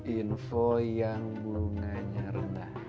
info yang bunganya rendah